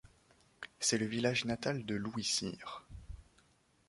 C'est le village natal de Louis Cyr.